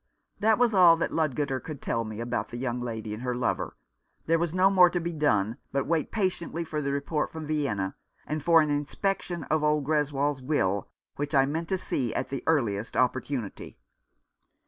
This was all that Ludgater could tell me about the young lady and her lover. There was no more to be done but wait patiently for the report from Vienna, and for an inspection of Old Greswold's will, which I meant to see at the earliest oppor tunity.